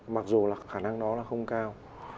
mặc dù là khả năng đó là không cao